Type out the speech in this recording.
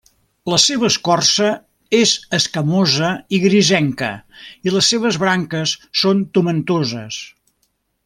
La seva escorça és escamosa i grisenca i les seves branques són tomentoses.